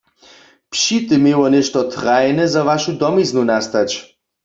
Při tym měło něšto trajne za wašu domiznu nastać.